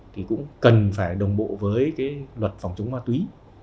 thì cũng cần phải đồng bộ với cái luật phòng chống ma túy